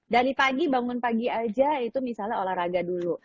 dari pagi bangun pagi aja itu misalnya olahraga dulu